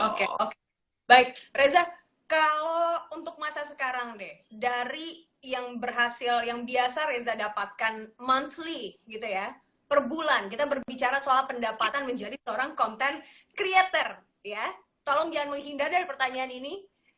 oke oke baik reza kalau untuk masa sekarang deh dari yang berhasil yang biasa reza dapatkan monthly gitu ya per bulan kita berbicara soal pendapatan menjadi seorang content creator ya tolong jangan menghindar dari pertanyaan ini